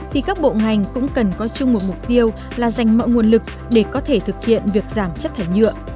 thì các bộ ngành cũng cần có chung một mục tiêu là dành mọi nguồn lực để có thể thực hiện việc giảm chất thải nhựa